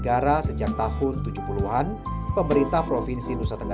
kalau pak faith dépat dengan berwisi wisi pandkommennya